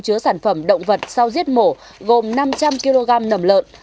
chứa sản phẩm động vật sau giết mổ gồm năm trăm linh kg nầm lợn